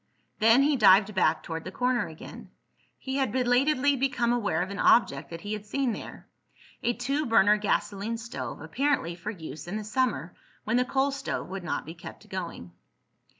Then he dived back toward the corner again. He had belatedly become aware of an object that he had seen there—a two burner gasoline stove, apparently for use in the summer when the coal stove would not be kept going.